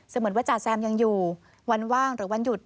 เหมือนว่าจ๋าแซมยังอยู่วันว่างหรือวันหยุด